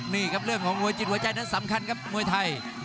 นี่ครับเรื่องของมวยจิตหัวใจนั้นสำคัญครับมวยไทย